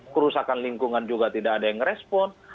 kerusakan lingkungan juga tidak ada yang respon